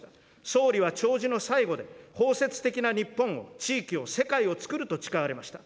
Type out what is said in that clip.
総理は弔辞の最後で、包摂的な日本を、地域を、世界をつくると誓われました。